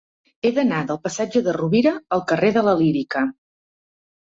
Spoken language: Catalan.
He d'anar del passatge de Rovira al carrer de la Lírica.